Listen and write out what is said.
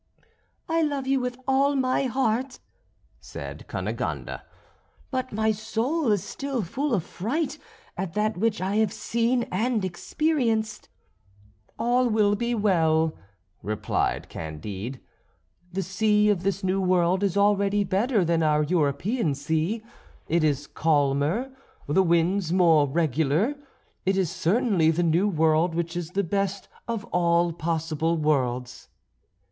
"I love you with all my heart," said Cunegonde; "but my soul is still full of fright at that which I have seen and experienced." "All will be well," replied Candide; "the sea of this new world is already better than our European sea; it is calmer, the winds more regular. It is certainly the New World which is the best of all possible worlds."